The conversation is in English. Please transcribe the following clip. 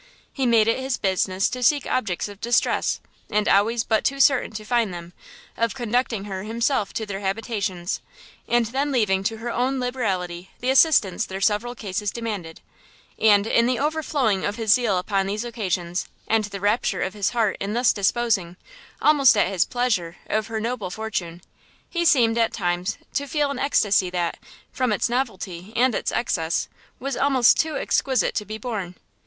He made it his business to seek objects of distress, and always but too certain to find them, of conducting her himself to their habitations, and then leaving to her own liberality the assistance their several cases demanded: and, in the overflowing of his zeal upon these occasions, and the rapture of his heart in thus disposing, almost at his pleasure, of her noble fortune, he seemed, at times, to feel an extasy that, from its novelty and its excess, was almost too exquisite to be borne.